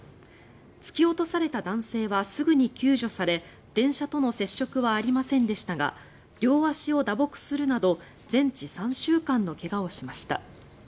突き落とされた男性はすぐに救助され電車との接触はありませんでしたが両足を打撲するなど全治３週間の怪我をしました。